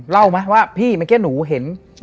เล่าไหมว่าพี่เมื่อกี้หนูเห็น